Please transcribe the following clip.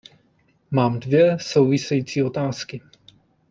Mám dvě související otázky.